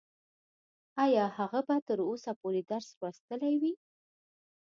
ايا هغه به تر اوسه پورې درس لوستلی وي؟